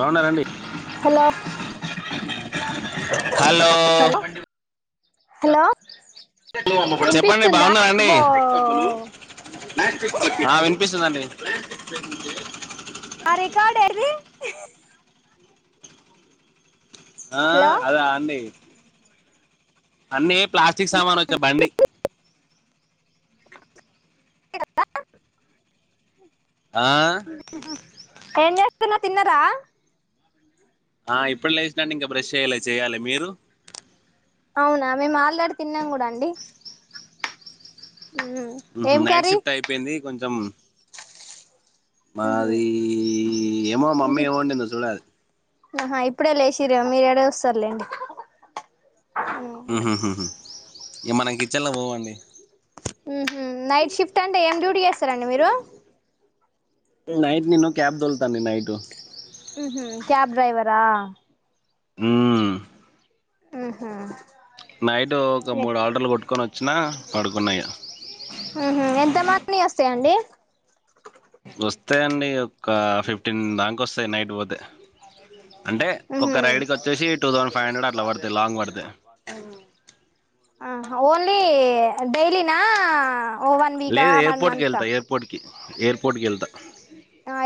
బాగున్నారండి hello hello hello hello చెప్పండి వినిపిస్తుందా బాగున్నరండి బో ఆ వినిపిస్తుందండి ఆ రికార్డు ఏది ఆ హలో అదా అండి అన్నీ ప్లాస్టిక్ సామాన్ వచ్చే బండి ద ఆ ఏం చేస్తున్నా తిన్నరా ఆ ఇప్పుడు లేసిన అండి ఇంకా బ్రెష్ చేయ్యాలి చెయ్యాలి మీరు అవునా మేము ఆల్ రెడీ తిన్నాం కూడా అండి ఏం నైట్ కర్రీ షిఫ్ట్ అయిపోయింది కొంచం ఉహు మారి ఏమో మమ్మీ ఇంక ఏమి వండిందో చూడాలి ఆహా ఇప్పుడే లేసిరేమో మీరెడ చూ స్తారులేండి ఇ మనం కిచెన్ లో పోమండి నైట్ షిఫ్ట్ అంటే ఏం డ్యూటీ చేస్తారండి మీరు నైట్ నిను క్యాబ్ దొల్తాను నైట్ క్యాబ్ డ్రైవరా హ్మ్మ్ ఆహా నైట్ ఒక మూడు ఆర్డర్లు కొట్టుకొని వచ్చినా పడుకున్నాయి హ ఎంత మంది వస్తాయండి వస్తాయిండి ఒక ఫిఫ్టీన్ దాక వస్తాయి నైట్ పోతే అంటే ఒక ఉహు రైడ్కి వచ్చేసి టూ థౌసండ్ ఫైవ్ హండ్రెడ్ అట్లా పడతాయి లాంగ్ పడితే ఆ ఓన్లీ డైలీనా ఓ వన్ వీకా లేదు వన్ ఎయిర్పోర్ట్ కి మంత్ వెళ్తా కా ఎయిర్పోర్ట్ కి ఎయిర్పోర్ట్ కి వెళ్తా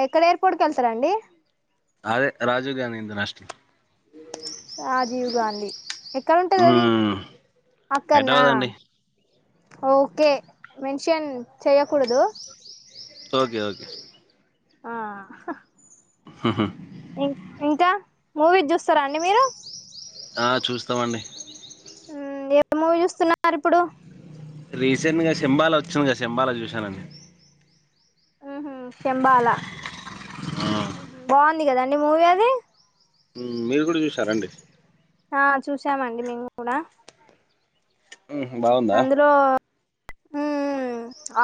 ఎక్కడ ఎయిర్పోర్ట్ కి వెళ్తారాండి అదే రాజీవ్ గాంధీ ఇంటర్ నేషనల్ రాజీవ్ గాంధీ ఎక్కడ ఉంటది అది మ్మ్. అక్కన్నా హైదరాబాద్ అండి ఓకే మెన్షన్ చెయ్యకూడదు ఓకే ఓకే ఆ ఆహా ఇం ఇంకా మూవీ చూస్తారా అండి మీరు ఆ చూస్తామండి ఏ మూవీ చూస్తున్నారు ఇప్పుడు రీసెంట్గా సింబాల వచ్చింది కద సింబాలా చూసానుండి ఉహు శంబాల మ్మ్. బాగుంది కదాండి మూవీ అది మీరు కూడా చూసారండి ఆ చూసామండి మేము కూడా బాగుందా ఉ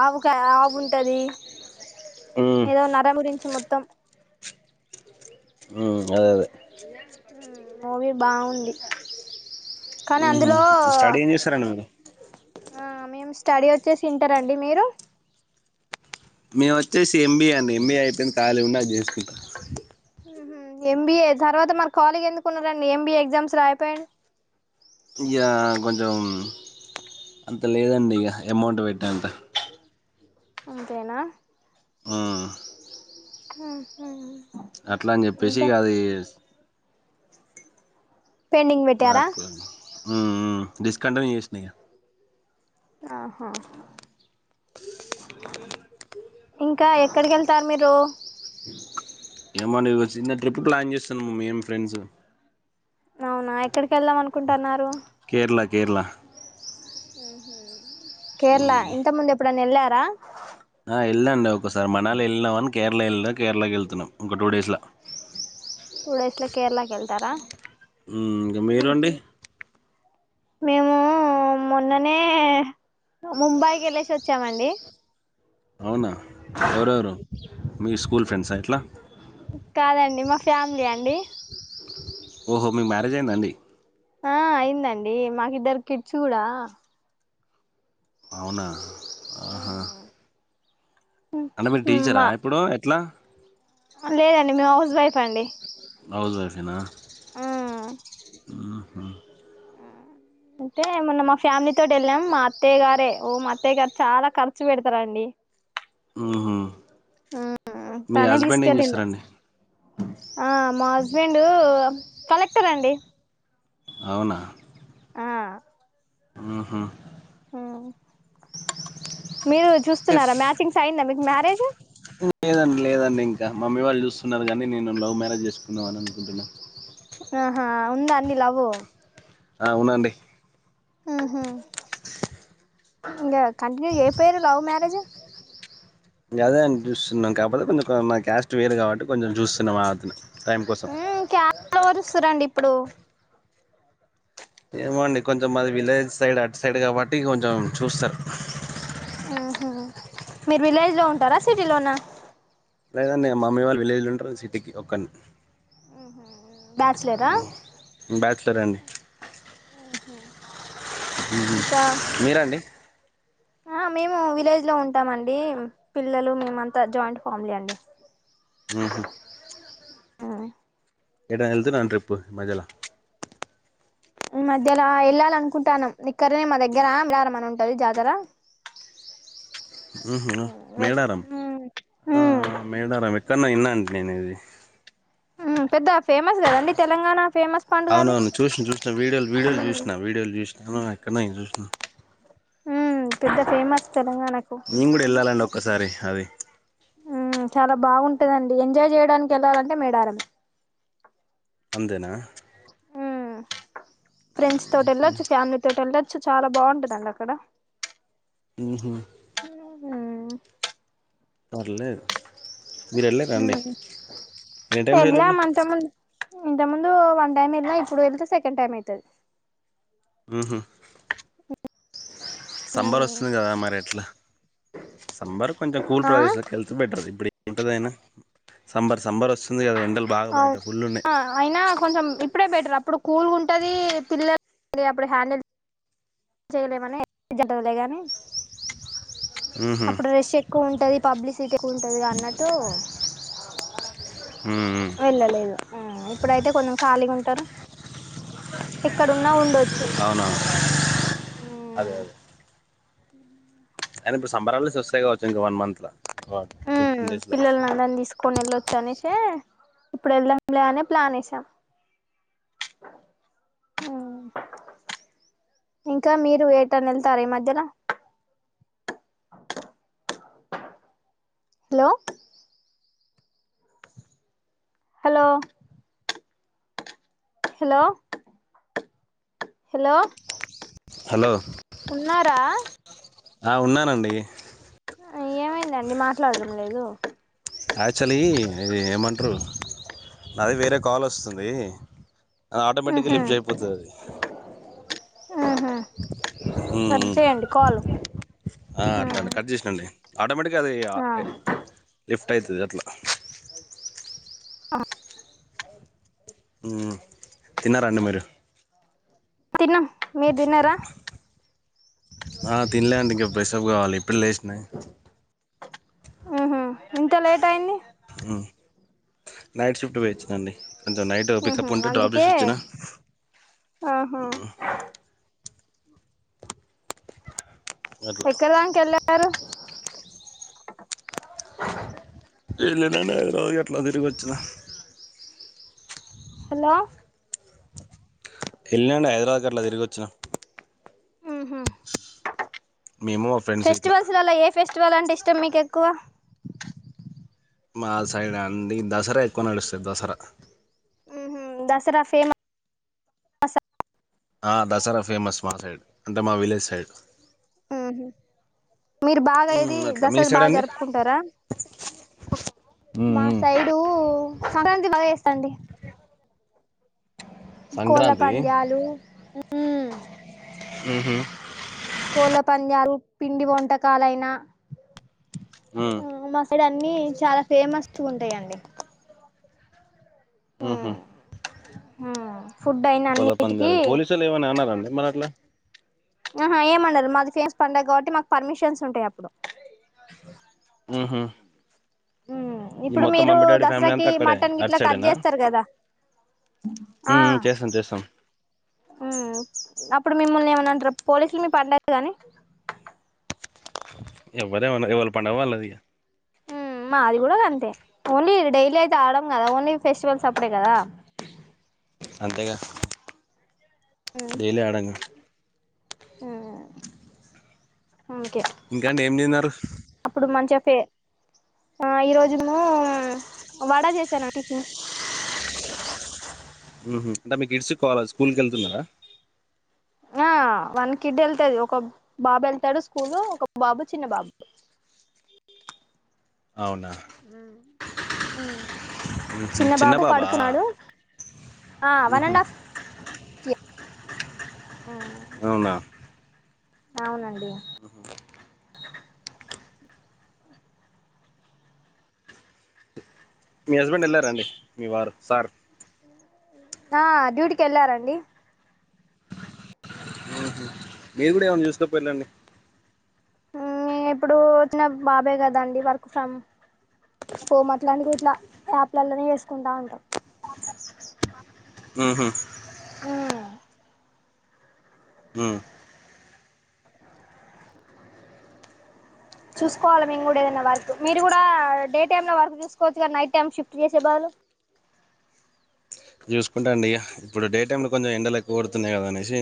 ఆవుక ఆవు ఉంటది మ్మ్, ఏదో నర గురించి మొత్తం మ్మ్, అదే అదే మూవీ బాగుంది కానీ మ్మ్. అందులో స్టడీ ఏం చేస్తారండి మీరు మేము స్టడీ వచ్చేసి ఇంటర్ అండి మీరు మేము వచ్చేసి ఎంబీఏ అండి ఎంబీఏ అయిపోయింది ఖాళీ ఉన్న అది చేసుకుంటానా ఎంబీఏ తర్వాత మరి కాళిగా ఎందుకున్నారండి ఎంబీఏ ఎగ్జామ్స్ రాయిపోయాడు యా కొంచెం అంత లేదండి ఇక అమౌంట్ పెట్టేంత అంతేనా ఆ హ అట్లా అని చెప్పేసి కాది పెండింగ్ పెట్టారా హ్మ్మ్ డిస్ కంటిన్యూ చేసినా ఇంకా ఆహా ఇంకా ఎక్కడికి వెళ్తారు మీరు ఏమో నీకు చిన్న ట్రిప్ ప్లాన్ చేస్తున్నాము మేము ఫ్రెండ్స్ అవునా ఎక్కడికి వెళ్దాం అనుకుంటన్నారు కేరళ కేరళ హ కేరళ ఇంత ముందు ఎప్పుడన్న వెళ్ళారా ఆ వెళ్ళా అండి ఒక్కోసారి మనాలి వెళ్ళినాం అని కేరళ వెళ్ళా కేరళకి వెళ్తున్నాం ఒక టూ డేస్ లా అ టూ డేస్ లా కేరళకి వెళ్తారా ఉ ఇంకా మీరు అండి మేము ఆ మొన్ననే ముంబైకి ఎల్లేసి వచ్చామండి అవునా ఎవరెవరు మీ స్కూల్ ఫ్రెండ్సా ఎట్లా కాదండి మా ఫ్యామిలీ అండి ఓహో మీకు మ్యారేజ్ అయిందా అండి ఆ అయింది అండి మాకిద్దరు కిట్స్ కూడా అవునా ఆహా అంటే మీరు టీచరా మా ఇప్పుడు ఎట్లా లేదండి మేము హౌస్ వైఫ్ అండి హౌస్ వైఫేనా ఆ ఆహా అంటే మొన్న మా ఫ్యామిలీ తోటి వెళ్ళాం మా అత్తయ్య గారే ఓ మా అత్తయ్య గారు చాలా ఖర్చు పెడతారు అండి ఊహు ఉహు మీ తనే హస్బెండ్ ఏం తీసుకెళ్ళిడు చేస్తారండి ఆ మా హస్బెండు కలెక్టర్ అండి అవునా ఉహు ఉ మీరు చూస్తున్నారా మ్యాచింగ్స్ అయిందా మీకు మ్యారేజ్ ఉ లేదండి లేదండి ఇంకా మమ్మీ వాళ్ళు చూస్తున్నారు కానీ నేను లవ్ మ్యారేజ్ చేసుకుందాం అని అనుకుంటున్నా ఆహా ఉందా అన్నీ లవ్ అవునండి ఆహా ఇంకా కంటిన్యూ ఏయిపోయరు లవ్ మ్యరేజ్ గదే అని చూస్తున్నాం కాకపోతే కొంచెం క మ క్యాస్ట్ వేరు కాబట్టి కొంచెం చూస్తున్నాం వ అతను టైం కోసం ఉ క్యాస్ట్ లు ఎవరు చూస్తుర్రు అండి ఇప్పుడు ఏమో అండి కొంచెం మాది విలేజ్ సైడ్ అటు సైడ్ కాబట్టి కొంచెం చూస్తారు ఉహు మీరు విలేజ్ లో ఉంటారా సిటీ లోనా లేదు అండి మమ్మీ వాళ్ళు విలేజ్ ఉంటారు సిటీకి ఒక్కని బ్యాచలరా ఉ బ్యాచ్లర్ అండి ఉహు మీరండి ఆ మేము విలేజ్ లో ఉంటామండి పిల్లలు మేమంతా జాయింట్ ఫ్యామిలీ అండి ఉహు ఆ ఎట వెళ్తున్నాను ట్రిప్పు మజల ఉమ్ మధ్యల వెళ్ళాలి అనుకుంటానం ఇక్కడనే మా దగ్గర అమరారం ఉంటది జాతర ఉహు వెల్ మేడారం ఉమ్ ఆ ఉమ్ ఆ మేడారం ఎ కన్నా ఇన్ననాన్ నేను ఇది ఉ పెద్ద ఫేమస్ కదండి తెలంగాణ ఫేమస్ పండుగ అది అవునవును చూసిన చూసిన వీడియోలు వీడియోలు ఉమ్ చూసినా వీడియోలు చూసినాను హ ఎక్కడ నేను చూసినా ఉమ్ పెద్ద ఫేమస్ తెలంగాణకు నేను కూడా వెళ్ళాలండి ఒక్కసారి అది ఉమ్ చాలా బాగుంటదండి ఎంజాయ్ చేయడానికి వెళ్ళాలంటే మేడారం అంతేనా ఉ ఫ్రెండ్స్ తోటి వెళ్ళొచ్చు ఫ్యామిలీ తోటి వెళ్ళొచ్చు చాలా బాగుంటదండి అక్కడ ఉహూ ఉహూ పర్లేదు మీరు వెళ్ళారా అండి ఉహూ ఎన్ని టైమ్స్ వెళ్ళిళ్ళు ఎల్లినం అంతక ముందు ఇంత ముందు వన్ టైమ్ వెళ్ళినా ఇప్పుడు వెళతే సెకండ్ టైం అయితది ఉహూ సమ్మర్ వస్తుంది కదా మరి ఎట్లా సమ్మర్ కొంచెం కూల్ ఆ ప్రదేశాల వెళ్తే బెటర్ ఇప్పుడు ఉంటదియినా సంబర్ సంబర్ వస్తుంది కదండి అవును అయినా కొంచెం బి అప్పుడే బెటర్ అప్పుడు కూల్గా ఉంటది పిల్లలు అప్పుడు హ్యాండిల్ చేయలేమని [inaudible] డలే గాని ఉహు అప్పుడు రెష్ ఎక్కువ ఉంటది పబ్లిసిటీ ఎక్కువ ఉంటది అన్నట్టు ఉమ్ వెళ్ళలేదు హ్మ్ ఇప్పుడైతే కొంచెం ఖాళీగా టరు ఎక్కడున్నా ఉండొచ్చు అవునవును అదే అదే ఉమ్ అయన ఇప్పుడు సంబర్ హాలిడేస్ వస్తాయి కావచ్చు ఇంకా వన్ మంత్ లా ఉమ్ పిల్లల్నిదని తీసుకు కొన్ని వెళ్ళొచ్చ అనేసి ఇప్పుడు వెళ్దాంలే అనే ప్లాన్ ఎసాం ఉమ్ ఇంకా మీరు ఏటానా వెళ్తారా ఈ మధ్యలా అ hello hello hello hello hello ఉన్నారా ఆ ఉన్నానండి ఏమైందండి మాట్లాడటం లేదు యాక్చువలీ ఇది ఏమంటారు నాది వేరే కాల్ అస్తుంది అ ఆటోమేటిక్గా ఉహు లిఫ్జ్ అయిపోతది అది ఉహు కట్ ఉఉమ్ చేయండి కాల్ ఆ అట్లనే కట్ చేసినండి ఆటోమేటిక్ అది ఆ లిఫ్ట్ అయితది అట్లా ఆ హ్మ్మ్ తిన్నారంండి మీరు తిన్నాం మీరు తిన్నారా ఆ తినలేండి ఇంకా ప్రెషప్ కావాలి ఇప్పుడు లేసినాయి ఉహూ ఇంత లేట్ అయింది ఉమ్ నైట్ షిఫ్ట్ పోయివచ్చినండి కొంచెం నైట్ ఉహు పికప్ ఉంటే డ్రాప్ అందుకే చేస్ వచ్చిన ఆహా ఉమ్ అట్లా ఎక్కడి దాంకా ఎళ్ళారు లేదు లేదు అండి [unintelligible] అట్లా తిరిగి వచ్చినా హలో వెళ్ళినండి హైదరాబాద్ గీ అట్లా తిరిగి వచ్చిన ఉహూ మేము మా ఫ్రెండ్స్ ఇట్లా ఫెస్టివల్స్లలా ఏ ఫెస్టివల్ అంటే ఇష్టం మీక ఎక్క క్కువ మా సైడ్ ఆ అండి దసరా ఎక్కువ నడుస్తది దసరా ఉహూ దసరా ఫేమస్ దసరా ఆ దసరా ఫేమస్ మా సైడ్ అంటే మా విలేజ్ సైడ్ మ్మ్ హ్మ్ మీరు బాగా ఏది మ్మ్ అట్లా మీ దసరా సైడ్ బాగా అండి జరుపుకుంటారా మా మ్మ్ సైడు సంక్రాంతి బాగా చేేస్తాండి కోళ్ల సంక్రాంతి పంద్యాలు మ్మ్ హ్మ్ కోళ్ల పంద్యాలు పిండి వంటకాలైన మ్మ్ మా సైడ్ అన్నీ చాలా ఫేమస్ ఉంటాయండి మ్మ్ హ్మ్ కోళ్ల పంద్యాలు పోలీసోళ్ళు ఏమని అనరా మిమ్మల్ని అట్లా ఆహా ఏమనరు మాది ఫేస్ పండగ కాబట్టి మాకు పర్మిషన్స్ ఉంటాయి అప్పుడు మ్మ్ హ్మ్ మ్మ్ ఇప్పుడు మీరు దసరాకి అంతా అక్కడే మటన్ అటు గిట్లా కట్ సైడేనా చేస్తారు కదా ఆ మ్మ్ చేస్తాం చేస్తాం మ్మ్ అ ప్పుడు మిమ్మల్ని ఏమన్నా అంటారా పోలీసులు మీ పండగాని ఎవ్వరేమన ఎవళ్ళ పండగ వాళ్ళది ఇగ మాది కూడా గంతే ఓన్లీ డైలీ అయితే ఆడం కదా ఓన్లీ ఫెస్టివల్స్ అప్పుడే కదా అంతేగా డైలీ అడంగా మ్మ్ ఇంకే ఇంకా అండి ఏం తిన్నారు [inaudible] అప్పుడు మంచిగ ఫే ఆ ఈరోజేము వడా చేశాను టిఫిన్ మ్మ్ హ్మ్ అంటే మీ కిడ్సు కాల స్కూల్కేళ్తున్నారా ఆ వన్ కిడ్ ఎళ్తాది ఒక బాబు ఎళ్తాడు స్కూలు ఒక బాబు చిన్న బాబు అవునా మ్మ్ మ్మ్ మ్మ్ చిన్న బాబు బాబా పడుకున్నాడు ఆ వన్ మ్మ్ అండ్ ఆఫ్ అవునా అవునండి హుమ్మ్ మీ హస్బెండ్ ఎళ్ళారంండి మీవారు సార్ ఆ డ్యూటికేళ్ళారంండి మ్మ్ మీరు కూడా ఏమైనా చూసుకొపొయిలండి మ్మ్ ఇప్పుడు చిన్న బాబే కదాండి వర్క్ ఫ్రమ్ హోమ్ అట్లాంటిది ఇట్లా యాప్లలోనే చేసుకుంటా ఉంటాం మ్మ్ హుమ్మ్ ఉ చూసుకోవాల మేము కూడా ఏదైనా వర్క్ మీరు కూడా డే టైమ్‌లో వర్క్ చూసుకోవచ్చు కదా నైట్ టైం షిఫ్ట్ చేసే బాదులు [inaudible] జూసుకుంటా అండి ఇగ ఇప్పుడు డే టైంలో కొంచెం ఎండలు ఎక్కువ కొడుతున్నాయి గదా అనేసి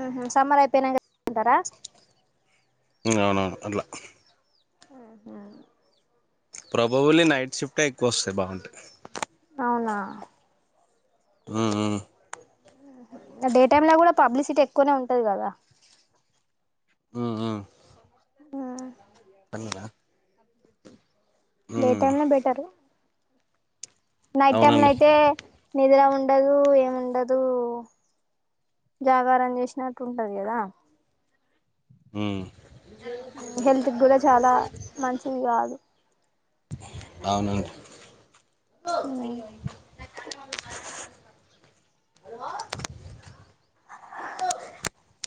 హ్మ్ మ్మ్ సమ్మర్ అయిపోయినంకా [inaudible] కుంటారా ఇంగ అవునవును అట్లా మ్మ్ ఉహ్మ్ ప్రాబబుల్లి నైట్ షిఫ్టే ఎక్కువ వస్తాయ్ బాగుంటే అవునా మ్మ్ మ్మ్ హ్మ్ ఉహ్మ్ ఇంగ డే టైమ్ లో కూడా పబ్లిసిటీ ఎక్కువనే ఉంటది కదా ఉ ఉ ఉ మ్మ్ పన్నెండా ఉ డే టైమ్ నే బెటరు నైట్ టైమ్లో అవునండి అయితే నిద్ర ఉండదు ఏముండదు జాగారం చేసినట్టు ఉంటది గదా ఉ మ్మ్ హెల్త్ గూడా చాలా మంచిది కాదు అవునండ్ ఊమ్